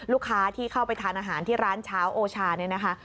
ลูกค้าที่เข้าไปทานอาหารที่ร้านเช้าโอชาเนี่ยนะคะ